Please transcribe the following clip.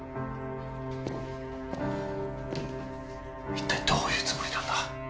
一体どういうつもりなんだ。